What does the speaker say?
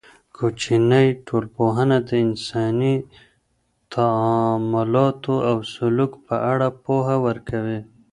کوچنۍ ټولنپوهنه د انساني تعاملاتو او سلوک په اړه پوهه ورکوي.